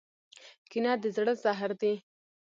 کینه د زړه زهر دی.